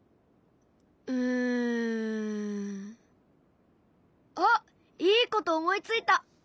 うん。あっいいこと思いついた！